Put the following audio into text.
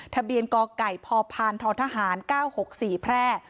ทะเบียนกไก่พพททห๙๖๔แพร่